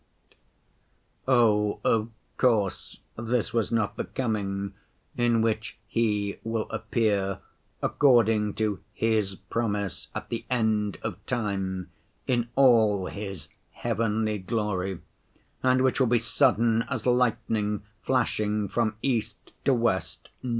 Oh, of course, this was not the coming in which He will appear according to His promise at the end of time in all His heavenly glory, and which will be sudden 'as lightning flashing from east to west.